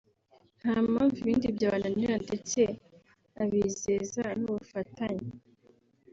nta mpamvu ibindi byabananira ndetse abizeza n’ubufatanye